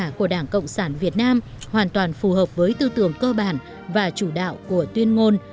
tự do cao cả của đảng cộng sản việt nam hoàn toàn phù hợp với tư tưởng cơ bản và chủ đạo của tuyên ngôn